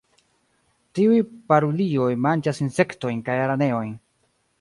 Tiuj parulioj manĝas insektojn kaj araneojn.